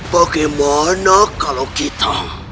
bagaimana kalau kita